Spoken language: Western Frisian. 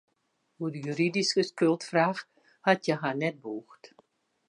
Oer de juridyske skuldfraach hat hja har net bûgd.